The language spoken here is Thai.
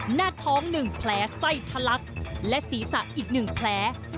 หน้าท้อง๑แผลไส้ทะลักและศีรษะอีก๑แผล